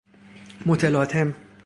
متلاطم